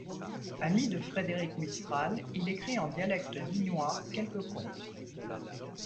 Ami de Frédéric Mistral, il écrit en dialecte dignois quelques contes.